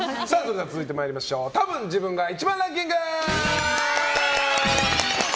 続いてたぶん自分が１番ランキング！